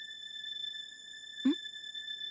うん？